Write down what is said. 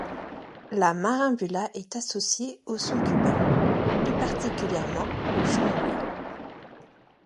La marimbula est associée au son cubain, plus particulièrement au changüí.